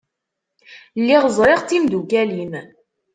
Lliɣ ẓriɣ d timdukal-im.